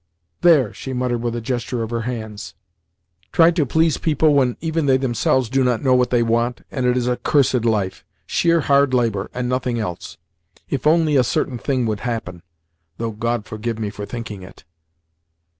"There!" she muttered with a gesture of her hands. "Try to please people when even they themselves do not know what they want, and it is a cursed life—sheer hard labour, and nothing else! If only a certain thing would happen!—though God forgive me for thinking it!"